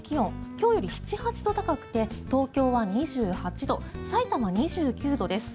今日より７８度高くて東京は２８度さいたま２９度です。